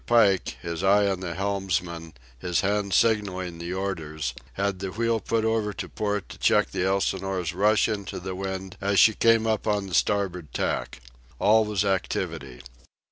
Pike, his eye on the helmsman, his hand signalling the order, had the wheel put over to port to check the Elsinore's rush into the wind as she came up on the starboard tack. All was activity.